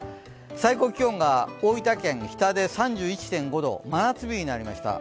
最高気温が大分県日田市で３１．５度真夏日になりました。